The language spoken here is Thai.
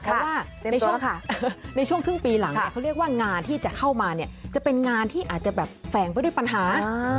เพราะว่าในช่วงครึ่งปีหลังเนี่ยเขาเรียกว่างานที่จะเข้ามาเนี่ยจะเป็นงานที่อาจจะแบบแฝงไปด้วยปัญหา